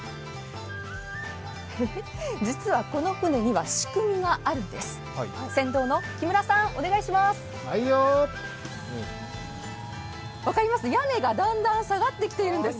実はこの船には仕組みがあるんです。